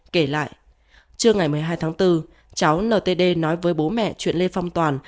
kể lại trưa ngày một mươi hai tháng bốn cháu ntd nói với bố mẹ chuyện lê phong toàn